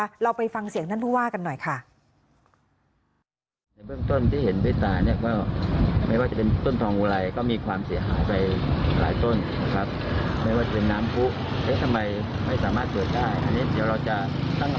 อันนี้เราจะตั้งกรรมการตรวจสอบข้อเท็จจริงในรายละเอียดทั้งหนึ่งนะคะทุกอย่าง